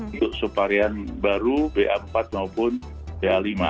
untuk subvarian baru b empat maupun b lima